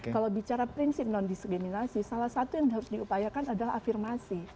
kalau bicara prinsip non diskriminasi salah satu yang harus diupayakan adalah afirmasi